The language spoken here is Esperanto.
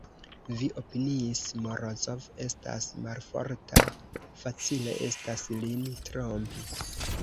Vi opiniis: Morozov estas malforta, facile estas lin trompi!